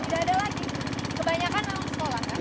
nggak ada lagi kebanyakan orang sekolah kan